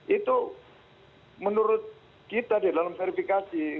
itu menurut kita di dalam verifikasi